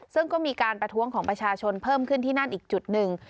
ซึ่งก็มีการประท้วงของประชาชนเพิ่มขึ้นที่นั่นอีกจุดหนึ่ง